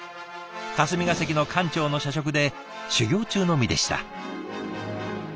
霞が関の官庁の社食で修業中の身でした。